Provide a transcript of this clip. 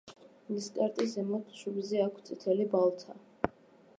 ნისკარტის ზემოთ, შუბლზე აქვთ წითელი ბალთა.